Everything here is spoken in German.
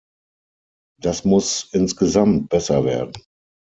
Das muss insgesamt besser werden!